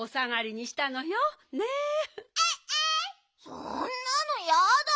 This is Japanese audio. そんなのやだ。